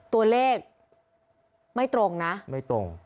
ตัวเลขไม่ตรงนะ